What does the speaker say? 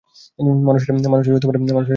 মানুষেরা এখানে নিষিদ্ধ!